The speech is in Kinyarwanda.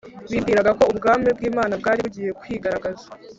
bibwiraga ko ubwami bw Imana bwari bugiye kwigaragaza